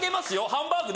ハンバーグ！